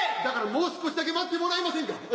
だからもう少しだけ待ってもらえませんか？